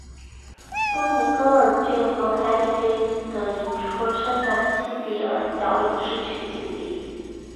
多尼戈尔郡和凯里郡的一处山岬西比尔角也是取景地。